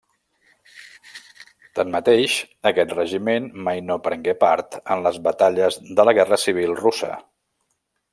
Tanmateix, aquest regiment mai no prengué part en les batalles de la Guerra Civil Russa.